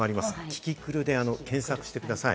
キキクルで検索してください。